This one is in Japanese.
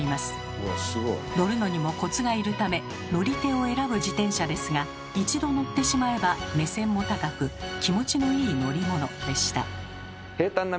乗るのにもコツがいるため乗り手を選ぶ自転車ですが一度乗ってしまえば目線も高く気持ちのいい乗り物でした。